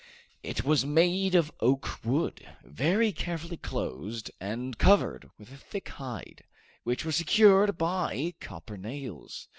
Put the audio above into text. It was made of oak wood, very carefully closed and covered with a thick hide, which was secured by copper nails.